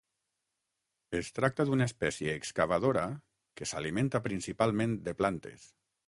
Es tracta d'una espècie excavadora que s'alimenta principalment de plantes.